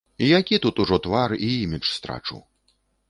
Які тут ужо твар і імідж страчу?